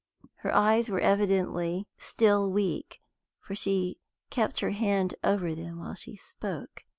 Her eyes were evidently still weak, for she kept her hand over them while she spoke.